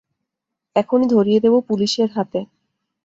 এখনই ধরিয়ে দেব পুলিসের হাতে।